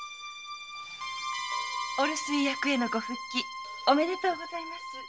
お留守居役へのご復帰おめでとうございます。